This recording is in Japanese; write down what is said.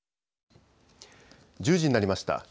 １０時になりました。